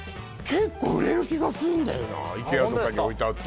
結構売れる気がするんだよなあっ